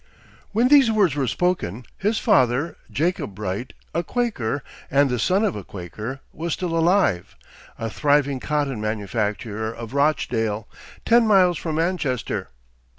When these words were spoken, his father, Jacob Bright, a Quaker, and the son of a Quaker, was still alive, a thriving cotton manufacturer of Rochdale, ten miles from Manchester.